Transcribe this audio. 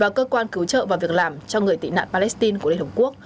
và cơ quan cứu trợ và việc làm cho người tị nạn palestine của liên hợp quốc